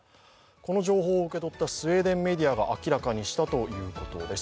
この情報を受け取ったスウェーデンメディアが明らかにしたということです。